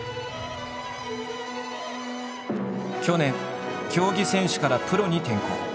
去年競技選手からプロに転向。